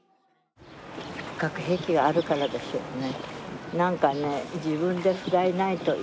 核兵器があるからでしょうね。